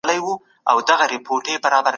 د خدای رضا په خدمت کې ده.